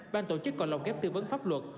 ban tổ chức còn lồng ghép tư vấn pháp luật